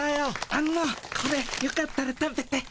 あのこれよかったら食べて。